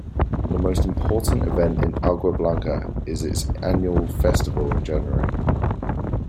The most important event in Agua Blanca is its annual festival in January.